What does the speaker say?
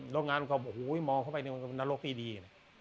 โรงงานบอกว่าหูยมองเข้าไปตรงนรกดี